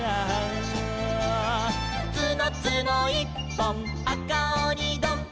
「つのつのいっぽんあかおにどん」